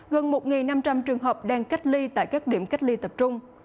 gần một năm trăm linh trường hợp đang cách ly tại các điểm cách ly tập trung